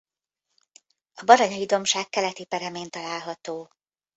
A Baranyai-dombság keleti peremén található.